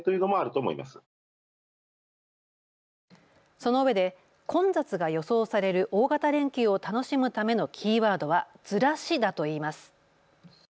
そのうえで混雑が予想される大型連休を楽しむためのキーワードはずらしだといいます。